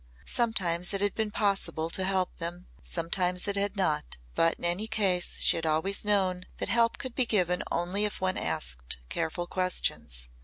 Sometimes it had been possible to help them, sometimes it had not, but in any case she had always known that help could be given only if one asked careful questions.